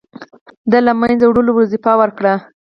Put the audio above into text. د له منځه وړلو وظیفه ورکړه.